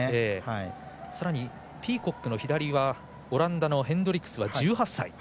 さらに、ピーコックの左オランダのヘンドリクスは１８歳。